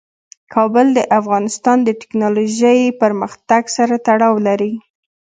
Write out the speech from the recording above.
کابل د افغانستان د تکنالوژۍ پرمختګ سره تړاو لري.